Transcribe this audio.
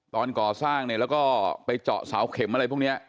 ตอนก่อสร้างเนี่ยแล้วก็ไปเจาะเสาเข็มอะไรพวกนี้